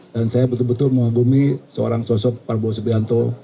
dan saya betul betul mengagumi seorang sosok prabowo sebianto